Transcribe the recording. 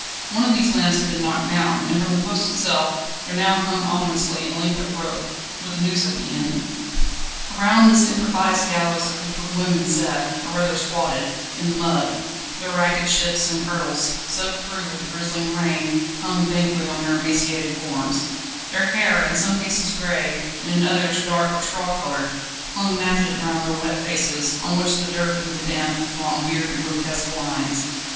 One of these lamps had been knocked down, and from the post itself there now hung ominously a length of rope, with a noose at the end. Around this improvised gallows a group of women sat, or rather squatted, in the mud; their ragged shifts and kirtles, soaked through with the drizzling rain, hung dankly on their emaciated forms; their hair, in some cases grey, and in others dark or straw coloured, clung matted round their wet faces, on which the dirt and the damp had drawn weird and grotesque lines.